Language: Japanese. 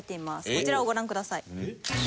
こちらをご覧ください。